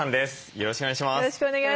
よろしくお願いします。